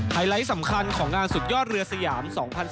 ไลท์สำคัญของงานสุดยอดเรือสยาม๒๐๑๘